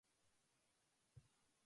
モンストは楽しくない